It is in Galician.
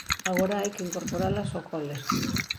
Agora hai que incorporalas ao cole.